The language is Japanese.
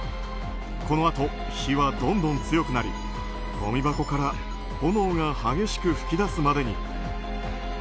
このあと、火はどんどん強くなりごみ箱から炎が激しく噴き出すまでに。